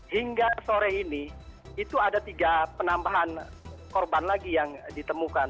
hingga sore ini itu ada tiga penambahan korban lagi yang ditemukan